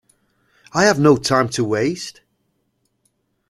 I have no time to waste.